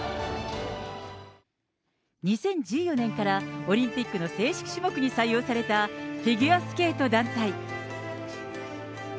２０１４年からオリンピックの正式種目に採用されたフィギュアスケート団体。